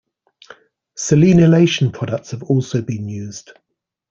Selenilation products have also been used.